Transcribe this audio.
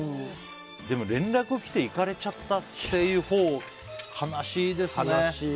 でも連絡来て行かれちゃったっていうほうは悲しいですね。